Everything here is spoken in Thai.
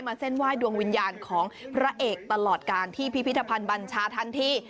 เส้นไหว้ดวงวิญญาณของพระเอกตลอดการที่พิพิธภัณฑ์บัญชาทันที